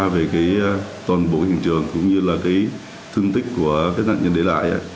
về toàn bộ hình trường cũng như là thương tích của phép nạn nhân để lại